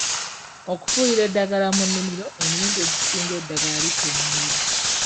Okufuuyira eddagala mu nimiro emirundi egisinga eddagala litta enimiro.